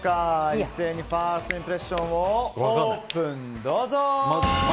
一斉にファーストインプレッションをオープン。